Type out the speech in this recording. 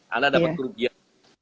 anda dapat kerugian